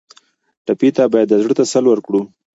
ټپي ته باید د زړه تسل ورکړو.